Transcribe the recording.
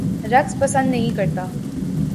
رقص پسند نہیں کرتا